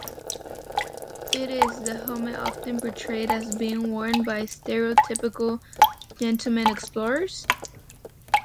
It is the helmet often portrayed as being worn by stereotypical "Gentleman Explorers".